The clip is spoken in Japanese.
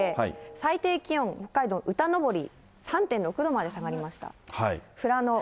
最低気温、北海道歌登、３．６度まで下がりました。